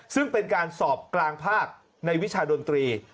ซึ่งเป็นการสอบกลางภาคในวิชาดนตรี